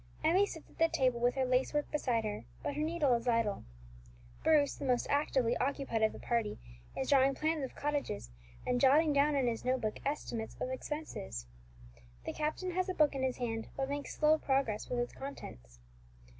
Emmie sits at the table with her lace work beside her, but her needle is idle. Bruce, the most actively occupied of the party, is drawing plans of cottages, and jotting down in his note book estimates of expenses. The captain has a book in his hand, but makes slow progress with its contents.